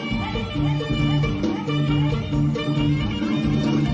สำหรับชีวิตต้องอะไรได้